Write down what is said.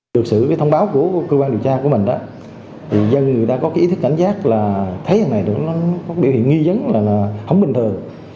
được sự thông báo của cơ quan điều tra của mình dân người đã có ý thức cảnh giác là thấy người này có biểu hiện nghi dấn là không bình thường